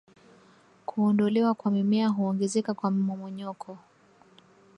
Kuondolewa kwa mimea huongezeka kwa mmomonyoko